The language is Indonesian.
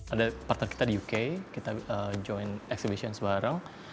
ada partner kita di uk kita join exhibition sebarang